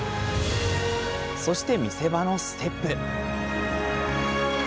そして見せ場のステップ。